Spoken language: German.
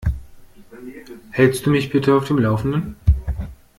Hältst du mich bitte auf dem Laufenden?